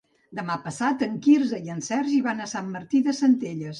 Demà passat en Quirze i en Sergi van a Sant Martí de Centelles.